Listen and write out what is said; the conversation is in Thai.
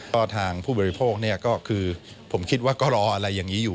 โดยทางผู้บริโภคผมคิดว่าก็รออะไรอย่างนี้อยู่